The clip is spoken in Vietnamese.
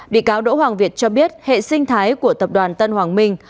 bị cáo đỗ hoàng việt cho biết hệ sinh thái của tập đoàn tân hoàng minh